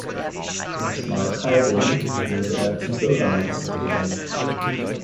In Schmalkalden wurde er zum Bürgermeister gewählt.